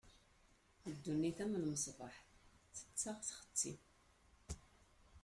Ddunit am lmesbeḥ, tettaɣ, txessi.